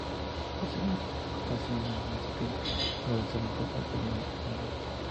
Posteriormente a la ocupación del municipio la reserva fue transferida de lugar.